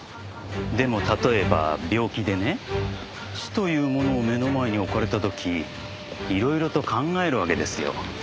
でも例えば病気でね死というものを目の前に置かれた時色々と考えるわけですよ。